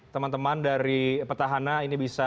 teman teman dari petahana ini bisa